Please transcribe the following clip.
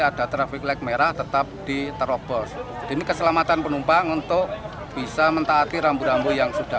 ada traffic lag merah tetap diterobos ini keselamatan penumpang untuk bisa mentaati rambu rambu yang sudah